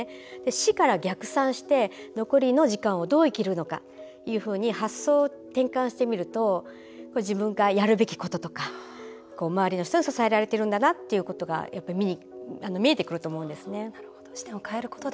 死から逆算して残りの時間をどう生きるのかと発想を転換してみると自分がやるべきことと周りの人に支えられているんだなっていうのが見えてくると思うんですね。